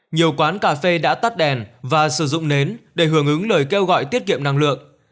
nhiều quán cà phê đã tắt đèn và sử dụng nến để hưởng ứng lời kêu gọi tiết kiệm năng lượng